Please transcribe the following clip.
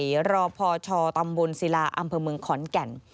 รอพชตำบลศิลาอำเภอเมืองขอนแก่น